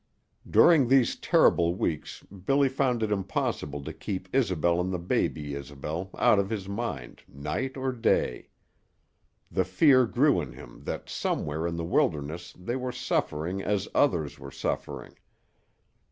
During these terrible weeks Billy found it impossible to keep Isobel and the baby Isobel out of his mind night or day. The fear grew in him that somewhere in the wilderness they were suffering as others were suffering.